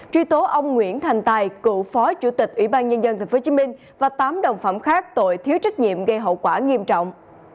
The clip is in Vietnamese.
truy tố ông nguyễn thành tài cựu phó chủ tịch ủy ban nhân dân tp hcm và tám đồng phạm khác tội thiếu trách nhiệm gây hậu quả nghiêm trọng